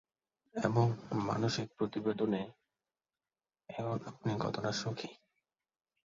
এবং মানসিক প্রতিবেদনে, "এখন আপনি কতটা সুখী?"